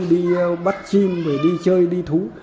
đi bắt chim đi chơi đi thú